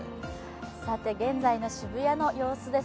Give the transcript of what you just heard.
現在の渋谷の様子です